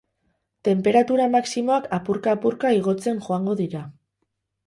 Tenperatura maximoak apurka apurka igotzen joango dira.